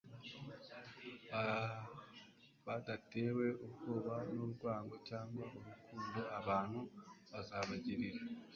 badatewe ubwoba n'urwango cyangwa urukundo abantu bazabagirira.